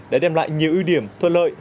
đã đem lại nhiều ưu điểm thuận lợi